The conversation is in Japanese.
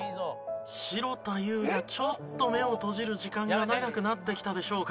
城田優がちょっと目を閉じる時間が長くなってきたでしょうか。